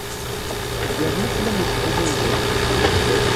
Yerna fell-am ucebbub awezlan.